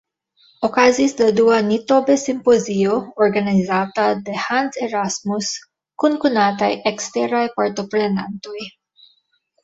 Okazis la dua Nitobe-simpozio, organizata de Hans Erasmus, kun konataj eksteraj partoprenantoj.